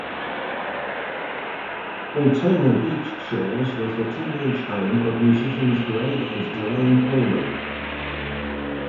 Daytona Beach Shores was the teenage home of musicians Gregg and Duane Allman.